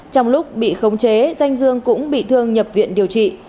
trong lúc bị khống chế danh dương cũng bị thương nhập viện điều trị